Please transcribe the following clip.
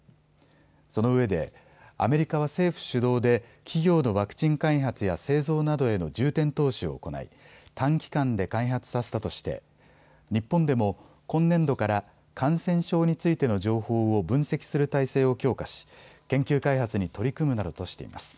そのうえでアメリカは政府主導で企業のワクチン開発や製造などへの重点投資を行い短期間で開発させたとして日本でも今年度から、感染症についての情報を分析する体制を強化し研究開発に取り組むなどとしています。